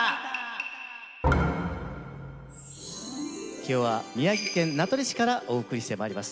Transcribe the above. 今日は宮城県名取市からお送りしてまいります。